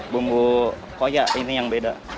bumbu koya ini yang beda